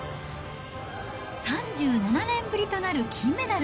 ３７年ぶりとなる金メダル。